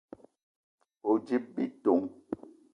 O: djip bitong.